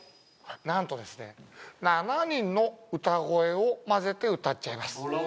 なんとですね７人の歌声を混ぜて歌っちゃいます